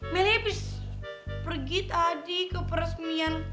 meli bisa pergi tadi ke peresmian lo